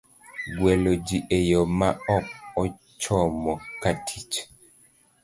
Gwelo Ji e Yo ma Ok ochomo katich,